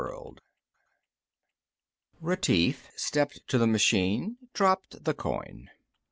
IV Retief stepped to the machine, dropped the coin.